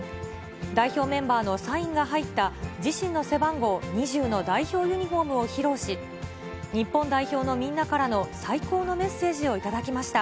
代表メンバーのサインが入った、自身の背番号２０の代表ユニホームを披露し、日本代表のみんなからの最高のメッセージを頂きました！